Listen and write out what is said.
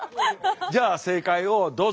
じゃあ正解をどうぞ！